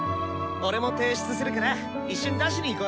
俺も提出するから一緒に出しに行こうよ。